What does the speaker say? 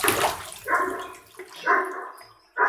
Uchumi na Matumizi ya Ardhi nchini Uturuki